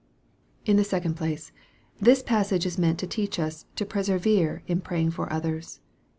In the second place, this passage is meant to teach us to persevere in praying for others.